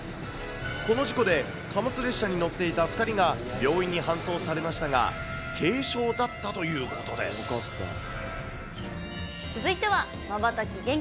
この事故で、貨物列車に乗っていた２人が病院に搬送されましたが、軽傷だった続いては、まばたき厳禁。